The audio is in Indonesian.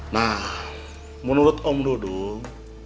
nah menurut om dudung